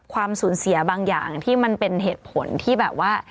ความสูญเสียบางอย่างที่มันเป็นเหตุผลที่แบบว่า